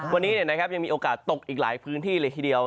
วันนี้ยังมีโอกาสตกอีกหลายพื้นที่เลยทีเดียว